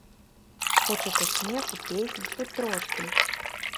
Хочацца смеху, песень хоць трошкі.